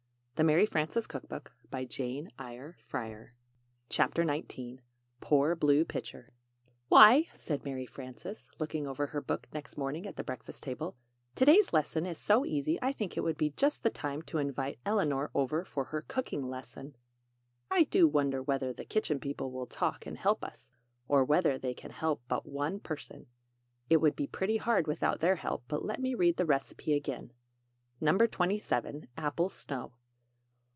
"The third of September." CHAPTER XIX POOR BLUE PITCHER "WHY," said Mary Frances, looking over her book next morning at the breakfast table, "to day's lesson is so easy I think it would be just the time to invite Eleanor over for her cooking lesson. [Illustration: Pare and slice] "I do wonder whether the Kitchen People will talk and help us or whether they can help but one person. It would be pretty hard without their help; but let me read the recipe again: NO. 27. APPLE SNOW.